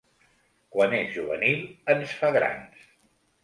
Quan és juvenil ens fa grans.